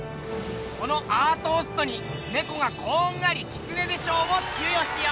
このアートーストに「ネコがこんがりキツネで賞」を授与しよう！